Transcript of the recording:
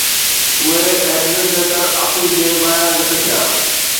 اهي ايڊمنسٽريٽر جي آفيس ٻاهران گڏ ٿيا